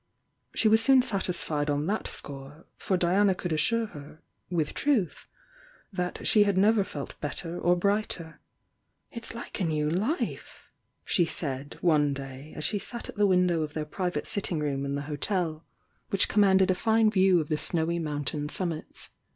She was soon satisfied on that score, for Diana could assure her, with truth, that she had never felt better or brighter. "It's like a new life," she said, one day, as die sat at the window of their private sitting room in the THE YOUNG DIANA 245 hotel, which commanded a fine view of the snowy motmtain summits.